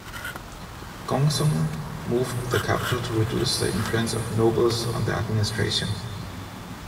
Gongsun moved the capital to reduce the influence of nobles on the administration.